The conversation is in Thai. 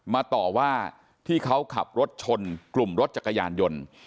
ต่อว่าที่เขาขับรถชนกลุ่มรถจักรยานยนต์